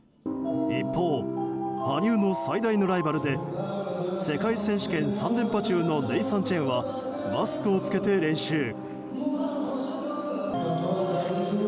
一方、羽生の最大のライバルで世界選手権３連覇中のネイサン・チェンはマスクを着けて練習。